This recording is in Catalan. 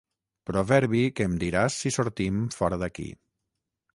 Proverbi que em diràs si sortim fora d'aquí.